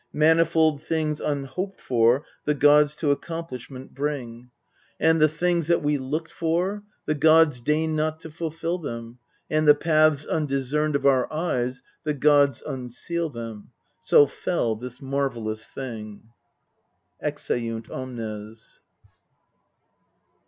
Manifold things unhoped for the gods to accomplish ment bring. MEDEA 289 And the things that we looked for, the gods deign not to fulfil them ; And the paths undiscerned of our eyes, the gods unseal them. So fell this marvellous thing. [Exeunt omnes.